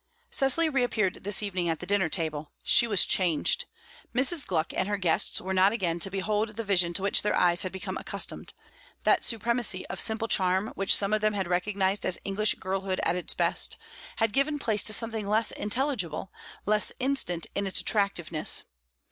Cecily reappeared this evening at the dinner table. She was changed; Mrs. Gluck and her guests were not again to behold the vision to which their eyes had become accustomed; that supremacy of simple charm which some of them had recognized as English girlhood at its best, had given place to something less intelligible, less instant in its attractiveness.